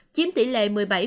chiếm tỷ lệ một mươi bảy bốn